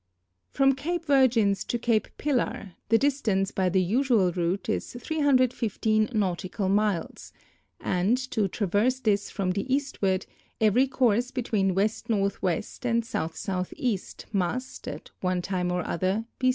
From Cape Virgins to Cape Pillar the distance by the usual route is 315 nautical miles, and to traverse this from the eastward every course between W.N.W. and S.S.E. must, at one time or other, be